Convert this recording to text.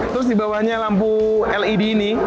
terus di bawahnya lampu led ini